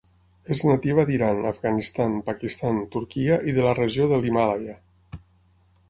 És nativa d'Iran, Afganistan, Pakistan, Turquia i de la regió de l'Himàlaia.